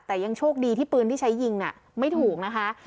แต่ยังโชคดีที่ปืนที่ใช้ยิงไม่ถูกนะคะ